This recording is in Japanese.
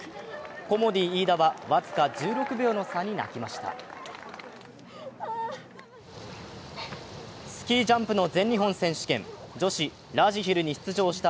コモディイイダは僅か１６秒の差に泣きました。